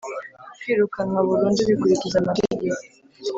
Kwirukanwa burundu bikurikiza amategeko.